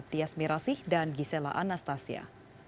tias mirasih dan gisela anastasia